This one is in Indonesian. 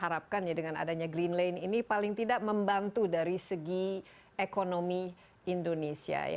karena kita tahu bahwa dengan adanya green lane ini paling tidak membantu dari segi ekonomi indonesia